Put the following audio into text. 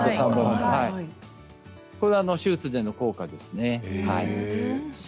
これは手術での効果です。